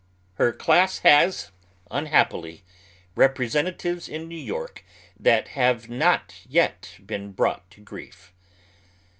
Her class lias, unhappily, representatives in New York that liave not yet been bi'ought to grief.